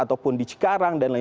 atau negara negara bekerja